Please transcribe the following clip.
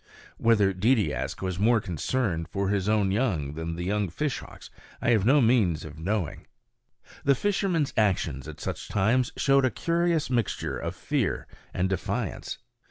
Whether Deedeeaskh were more concerned for his own young than for the young fishhawks I have no means of knowing. The fishermen's actions at such times showed a curious mixture of fear and defiance.